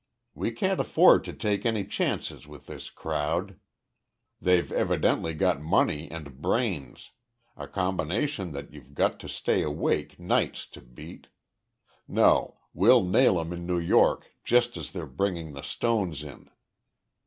We can't afford to take any chances with this crowd. They've evidently got money and brains, a combination that you've got to stay awake nights to beat. No we'll nail 'em in New York just as they're bringing the stones in.